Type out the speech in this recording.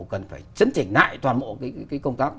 cần phải chấn chỉnh lại toàn bộ công tác